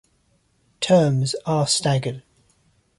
Terms are staggered.